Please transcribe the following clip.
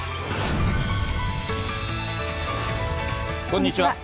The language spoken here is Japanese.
こんにちは。